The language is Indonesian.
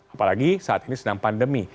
apalagi saat ini sedang pandemi